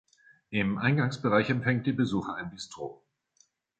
Im Eingangsbereich empfängt die Besucher ein Bistro.